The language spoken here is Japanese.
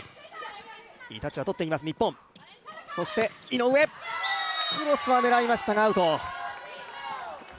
井上、クロスは狙いましたが、アウト。